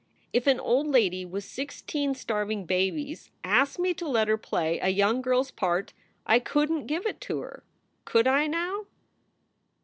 If an old lady with sixteen starving babies asked me to let her play a young girl s part I couldn t give it to her, could I, now?"